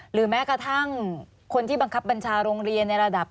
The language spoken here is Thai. หรือแม้กระทั่งคนที่บังคับบัญชาโรงเรียนในระดับ